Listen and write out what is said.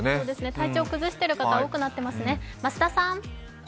体調を崩している方、多くなってますね。